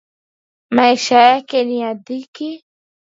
Maisha yake ni ya dhiki.